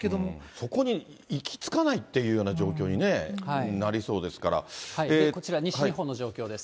そこに行き着かないっていうような状況にね、なりそうですかこちら、西日本の状況です。